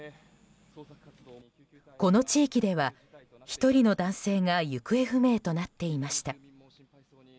この地域では、１人の男性が行方不明となっていました。